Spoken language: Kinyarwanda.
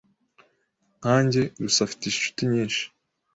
Nkanjye, Lucy afite inshuti nyinshi.